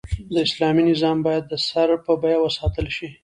د اسلامي نظام بايد د سر په بيه وساتل شي